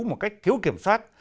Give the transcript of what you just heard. một cách thiếu kiểm soát